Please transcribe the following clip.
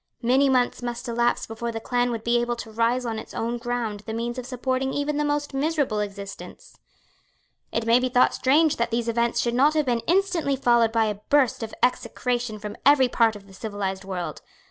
Many months must elapse before the clan would be able to raise on its own ground the means of supporting even the most miserable existence. It may be thought strange that these events should not have been instantly followed by a burst of execration from every part of the civilised world.